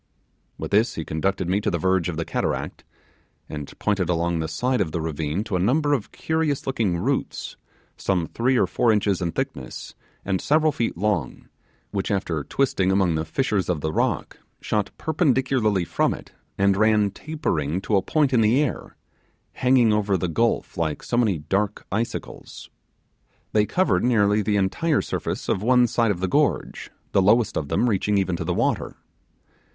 With this he conducted me to the verge of the cataract, and pointed along the side of the ravine to a number of curious looking roots, some three or four inches in thickness, and several feet long, which, after twisting among the fissures of the rock, shot perpendicularly from it and ran tapering to a point in the air, hanging over the gulf like so many dark icicles. They covered nearly the entire surface of one side of the gorge, the lowest of them reaching even to the water.